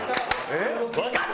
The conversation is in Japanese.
えっ？